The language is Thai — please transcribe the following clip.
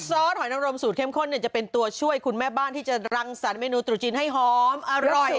ซอสหอยนรมสูตรเข้มข้นจะเป็นตัวช่วยคุณแม่บ้านที่จะรังสรรคเมนูตรุษจีนให้หอมอร่อย